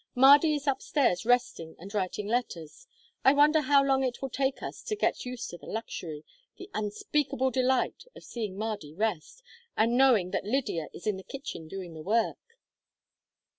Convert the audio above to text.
"Mardy is upstairs resting and writing letters. I wonder how long it will take us to get used to the luxury the unspeakable delight of seeing Mardy rest, and knowing that Lydia is in the kitchen doing the work!"